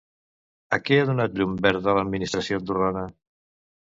A què ha donat llum verda l'administració andorrana?